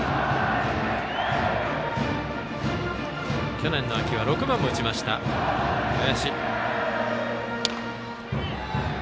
去年の秋は６番を打ちました、林。